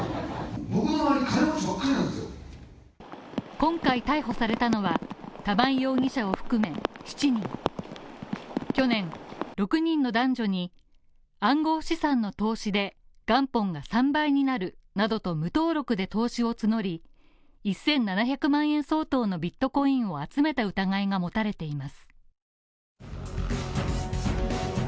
今回逮捕されたのは、玉井容疑者を含め７人去年６人の男女に暗号資産の投資で、元本が３倍になるなどと無登録で投資を募り、１７００万円相当のビットコインを集めた疑いが持たれています。